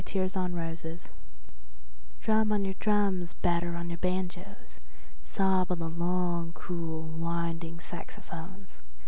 Jazz Fantasia DRUM on your drums, batter on your banjoes, sob on the long cool winding saxophones.